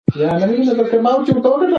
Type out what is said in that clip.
یو بل پټ کړئ.